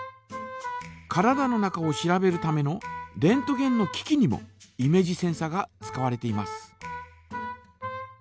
体の中を調べるためのレントゲンの機器にもイメージセンサが使われています。